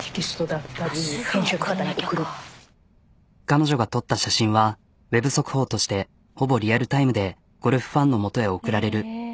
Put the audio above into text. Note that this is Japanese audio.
彼女が撮った写真はウェブ速報としてほぼリアルタイムでゴルフファンの元へ送られる。